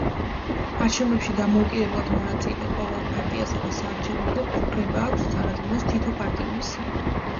არჩევნებში დამოუკიდებლად მონაწილე ყოველ პარტიასა და საარჩევნო ბლოკს უფლება აქვს, წარადგინოს თითო პარტიული სია.